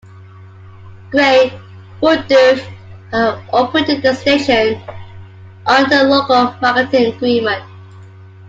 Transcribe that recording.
Gray would have operated the station under a local marketing agreement.